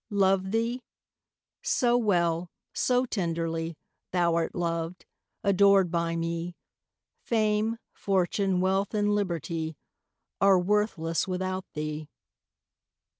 Love thee? so well, so tenderly, Thou'rt loved, adored by me, Fame, fortune, wealth, and liberty, Are worthless without thee.